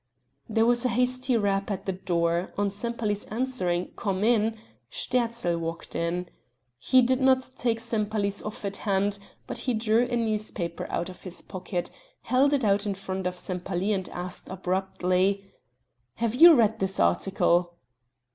There was a hasty rap at the door; on Sempaly's answering: "come in," Sterzl walked in. He did not take Sempaly's offered hand but drew a newspaper out of his pocket, held it out in front of Sempaly, and asked abruptly: "Have you read this article?"